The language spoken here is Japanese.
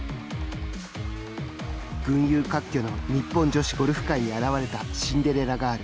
群雄割拠の日本女子ゴルフ界に現れた、シンデレラガール。